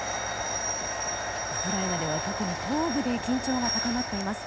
ウクライナでは特に東部で緊張が高まっています。